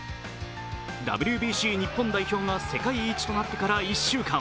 ＷＢＣ日本代表が世界一となってから１週間。